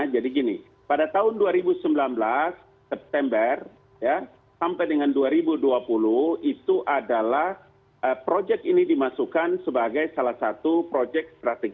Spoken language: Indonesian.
jadi gini pada tahun dua ribu sembilan belas september sampai dengan dua ribu dua puluh itu adalah proyek ini dimasukkan sebagai salah satu proyek strategis